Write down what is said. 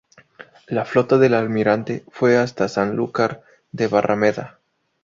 La flota del almirante fue hasta Sanlúcar de Barrameda.